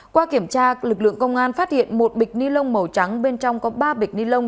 qua kiểm tra lực lượng công an phát hiện một bịch ni lông màu trắng bên trong có ba bịch ni lông